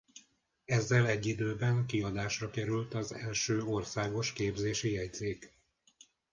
Ezzel egy időben kiadásra került az első Országos képzési jegyzék.